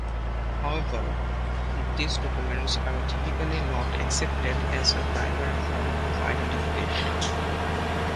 However, these documents are typically not accepted as a primary form of identification.